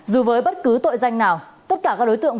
dù với bất cứ tội danh nào tất cả các đối tượng